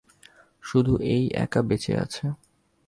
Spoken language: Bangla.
শুধু এ ই একা বেচে আছে।